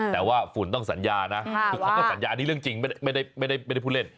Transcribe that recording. แต่ว่าฝุ่นต้องสัญญานะคือเขาก็สัญญาอันนี้เรื่องจริงไม่ได้พูดเล่น